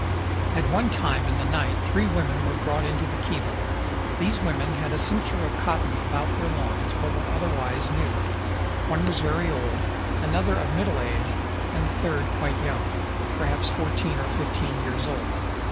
At one time in the night three women were brought into the kiva. These women had a cincture of cotton about their loins, but were otherwise nude. One was very old, another of middle age, and the third quite young, perhaps fourteen or fifteen years old.